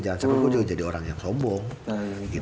jangan sampai gue juga jadi orang yang sombong